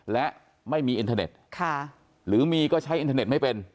และไม่มีอินเทอร์เน็ตหรือมีก็ใช้อินเทอร์เน็ตไม่เป็น